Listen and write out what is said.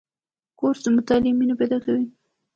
کورس د مطالعې مینه پیدا کوي.